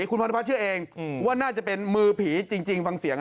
คุณพันธพัฒนเชื่อเองว่าน่าจะเป็นมือผีจริงฟังเสียงฮ